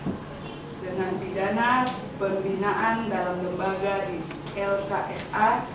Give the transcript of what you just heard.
karena itu dengan pidana pembinaan dalam lembaga di lksa